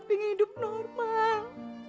ingin hidup normal